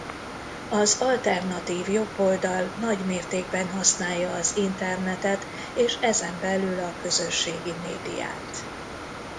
Az alternatív jobboldal nagymértékben használja az internetet és ezen belül a közösségi médiát.